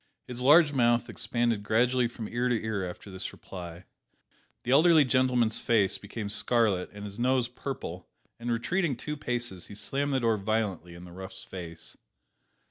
His large mouth expanded gradually from ear to ear after this reply. The elderly gentleman's face became scarlet and his nose purple, and retreating two paces, he slammed the door violently in the rough's face.